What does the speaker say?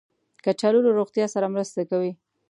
کچالو له روغتیا سره مرسته کوي